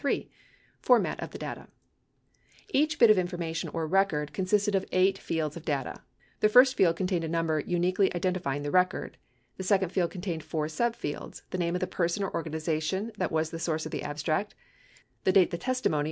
FORMAT OF THE DATA Each bit of information or "record" consisted of eight fields of data. The first field contained a number uniquely identifying the record. The second field contained four subfields : the name of the person or organi zation that was the source of the abstract, the date the testimony or data *&ee p.